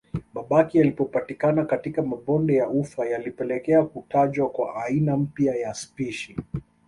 Mabaki yaliyopatikana katika mabonde ya ufa yalipelekea kutajwa kwa aina mpya ya spishi